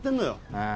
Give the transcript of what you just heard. ああ